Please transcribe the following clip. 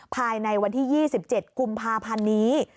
ภายในวันที่๒๗กุมภาพันธ์นี้